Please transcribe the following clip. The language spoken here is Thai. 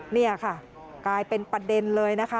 นี่ค่ะกลายเป็นประเด็นเลยนะคะ